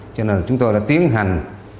cho nên là chúng tôi đã tiến hành